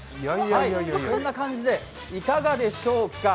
こんな感じでいかがでしょうか。